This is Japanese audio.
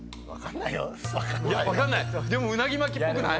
でもうなぎ巻きっぽくない？